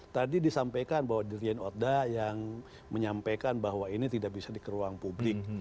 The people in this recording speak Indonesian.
tadi disampaikan bahwa dirjen oddah yang menyampaikan bahwa ini tidak bisa dikeruang publik